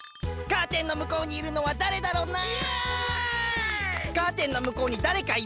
カーテンのむこうにいるのは誰だろな？